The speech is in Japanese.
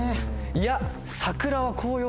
いや。